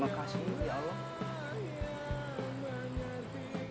makasih ya allah